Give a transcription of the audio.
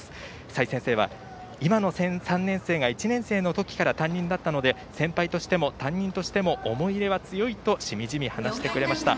さい先生は今の３年生が１年生のときから担任だったので先輩としても担任としても思い出は深いとしみじみ話してくれました。